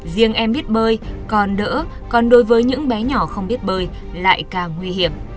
riêng em biết bơi còn đỡ còn đối với những bé nhỏ không biết bơi lại càng nguy hiểm